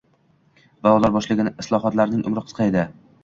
Va ular boshlagan islohotlarning umri qisqa edi.